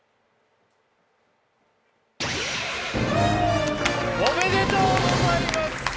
おめでとうございます！